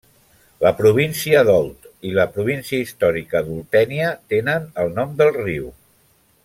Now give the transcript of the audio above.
La província d'Olt i la província històrica d'Oltènia tenen el nom del riu.